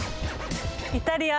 イタリア。